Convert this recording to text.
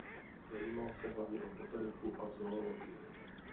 Zajímal se hlavně o botaniku a zoologii.